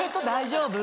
大丈夫？